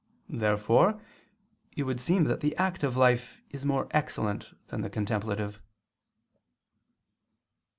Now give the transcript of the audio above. Therefore it would seem that the active life is more excellent than the contemplative.